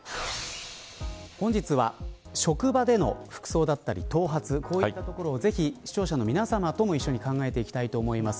本日は、職場での服装だったり頭髪こういったところをぜひ視聴者の皆さまとも一緒に考えていきたいと思います。